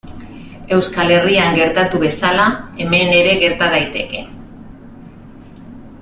Euskal Herrian gertatu bezala, hemen ere gerta daiteke.